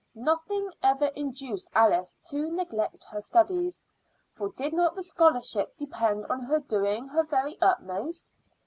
Nothing ever induced Alice to neglect her studies, for did not the scholarship depend on her doing her very utmost?